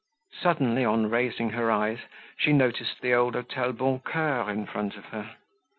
Suddenly on raising her eyes she noticed the old Hotel Boncoeur in front of her.